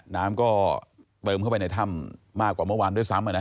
น้ำก็เติมเข้าไปในถ้ำมากกว่าเมื่อวานด้วยซ้ำ